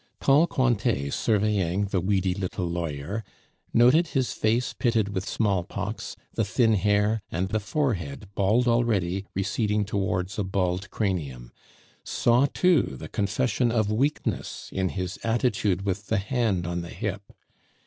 Tall Cointet, surveying the weedy little lawyer, noted his face pitted with smallpox, the thin hair, and the forehead, bald already, receding towards a bald cranium; saw, too, the confession of weakness in his attitude with the hand on the hip.